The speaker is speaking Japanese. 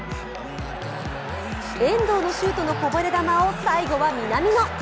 遠藤のシュートのこぼれ球を最後は南野！